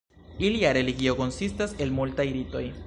Ilia religio konsistas el multaj ritoj.